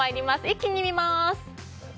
一気に見ます。